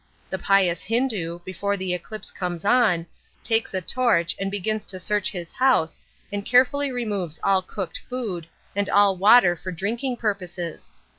The pious Hindu, before the eclipse comes on, takes a torch, and begins to search his house and carefully removes all cooked food, and all water for drinking purposes.